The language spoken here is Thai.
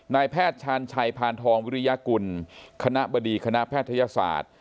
นายแพทย์ชาญชัยพานทองวิริยากุลคณะบดีคณะแพทยศาสตร์